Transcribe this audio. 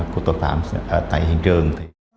của tội phạm tại hiện trường